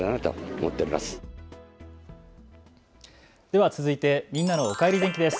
では続いてみんなのおかえり天気です。